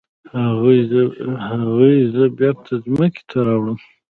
هغوی زه بیرته ځمکې ته راوړم.